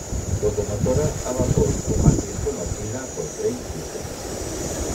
Locomotora a vapor o más bien conocida por Tren Chico.